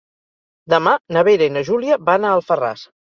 Demà na Vera i na Júlia van a Alfarràs.